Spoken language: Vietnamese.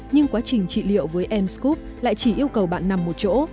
nhưng quá trình trị liệu với em scrub lại chỉ yêu cầu bạn nằm một chỗ